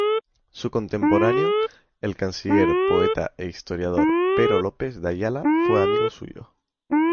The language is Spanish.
Su contemporáneo, el canciller, poeta e historiador Pero López de Ayala fue amigo suyo.